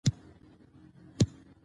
انځور د خلکو او ټیکنالوژۍ حوصله لوړوي.